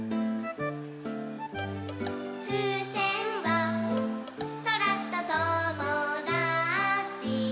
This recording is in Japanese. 「ふうせんはそらとともだち」